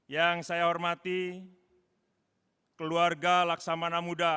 yang saya hormati keluarga laksamana muda